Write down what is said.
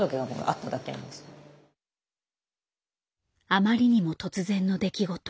あまりにも突然の出来事。